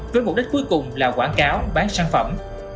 với mục đích cuối cùng là quảng cáo bán sản phẩm